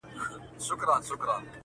زه او ته یو په قانون له یوه کوره،